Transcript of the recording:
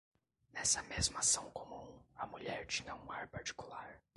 Nessa mesma ação comum, a mulher tinha um ar particular.